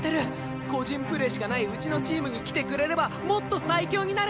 個人プレーしかないうちのチームに来てくれればもっと最強になる！